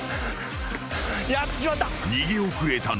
やっちまった。